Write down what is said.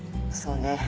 そうね。